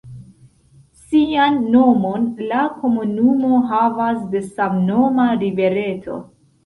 Sian nomon la komunumo havas de samnoma rivereto.